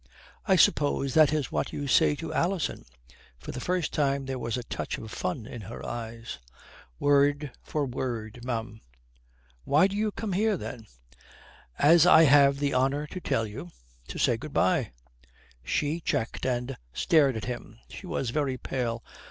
"I suppose that is what you say to Alison?" For the first time there was a touch of fun in her eyes. "Word for word, ma'am." "Why do you come here then?" "As I have the honour to tell you to say good bye." She checked and stared at him. She was very pale.